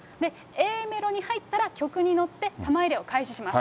Ａメロに入ったら、曲に乗って玉入れを開始します。